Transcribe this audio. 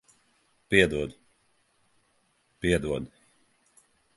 Piedod. Piedod.